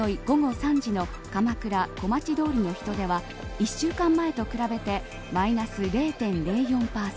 午後３時の鎌倉、小町通りの人出は１週間前と比べてマイナス０．０４％